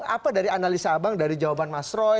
apa dari analisa abang dari jawaban mas roy